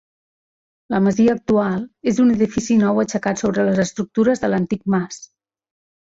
La masia actual és un edifici nou aixecat sobre les estructures de l'antic mas.